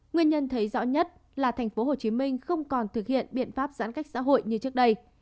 nguyên nhân thấy rõ nhất là tp hcm không còn thực hiện biện pháp giãn cách xã hội như trước đây